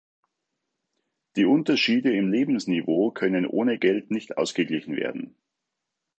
Die Unterschiede im Lebensniveau können ohne Geld nicht ausgeglichen werden.